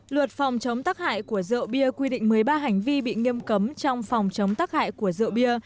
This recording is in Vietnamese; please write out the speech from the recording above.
luật phòng chống tắc hại của rượu bia quy định một mươi ba hành vi bị nghiêm cấm trong phòng chống tắc hại của rượu bia